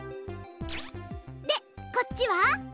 でこっちは。